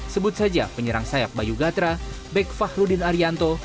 sebut saja penyerang sayap bayu gatra bek fahrudin arianto